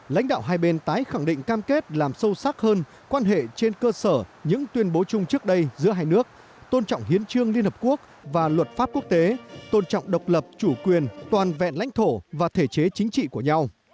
lãnh đạo hai bên tái khẳng định cam kết làm sâu sắc hơn quan hệ trên cơ sở những tuyên bố chung trước đây giữa hai nước tôn trọng hiến trương liên hợp quốc và luật pháp quốc tế tôn trọng độc lập chủ quyền toàn vẹn lãnh thổ và thể chế chính trị của nhau